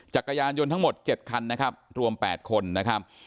จักรยานยนต์ทั้งหมด๗คันนะครับรวม๘คนนะครับ